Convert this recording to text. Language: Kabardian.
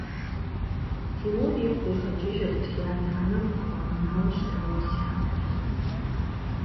Тимур игу къигъэкӏыжырт и адэ-анэм къыхуагъэнауэ щыта уэсятыр.